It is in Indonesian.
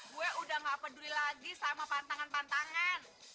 gue udah gak peduli lagi sama pantangan pantangan